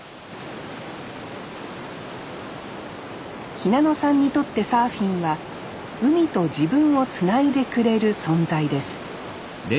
日向野さんにとってサーフィンは海と自分をつないでくれる存在です